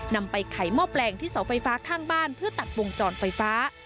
นำไปไขหม้อแปลงที่เสาไฟฟ้าข้างบ้านเพื่อตัดวงจรไฟฟ้า